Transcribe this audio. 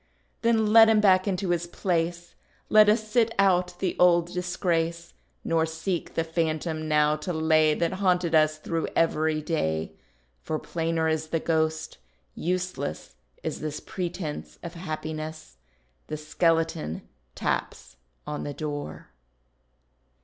Then let him back into his place, Let us sit out the old disgrace; Nor seek the phantom now to lay, That haunted us through every day; For plainer is the ghost; useless Is this pretence of happiness; The skeleton taps on the door.